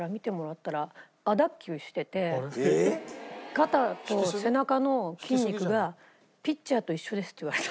「肩と背中の筋肉がピッチャーと一緒です」って言われた。